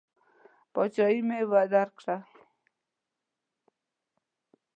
پاچهي مې درکړه.